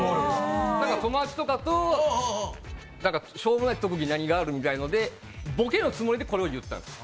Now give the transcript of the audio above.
友達とかと、しょうもないときに何があるとかいうときにボケのつもりで、これを言ったんです。